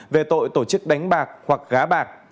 về tội tổ chức đánh bạc hoặc gá bạc